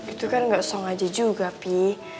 itu kan gak song aja juga pi